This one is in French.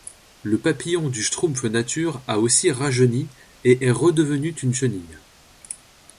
Le papillon du Schtroumpf Nature a aussi rajeuni et est redevenu une chenille.